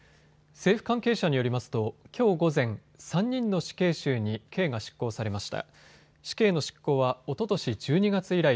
政府関係者によりますときょう午前、３人の死刑囚に刑が執行されました。